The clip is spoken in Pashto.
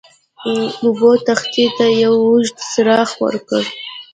اوبو تختې ته یو اوږد څرخ ورکړ.